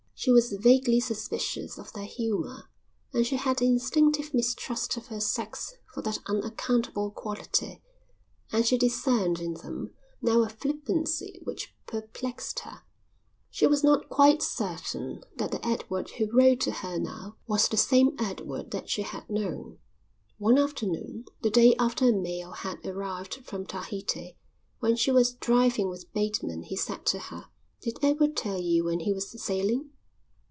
She was vaguely suspicious of their humour, she had the instinctive mistrust of her sex for that unaccountable quality, and she discerned in them now a flippancy which perplexed her. She was not quite certain that the Edward who wrote to her now was the same Edward that she had known. One afternoon, the day after a mail had arrived from Tahiti, when she was driving with Bateman he said to her: "Did Edward tell you when he was sailing?"